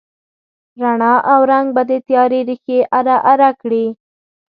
رڼا او رنګ به د تیارې ریښې اره، اره کړي